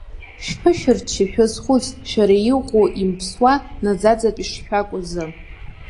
Шәԥышәырчча, шәазхәыц, шәара иӷәӷәоу, имԥсуа, наӡаӡатәи шшәаку азы.